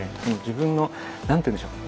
自分の何て言うんでしょう。